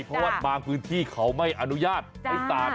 เพราะบางพื้นที่เขาไม่อนุญาตตาบน้ำนะ